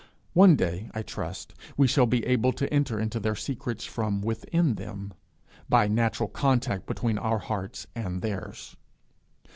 One day, I trust, we shall be able to enter into their secrets from within them by natural contact between our heart and theirs.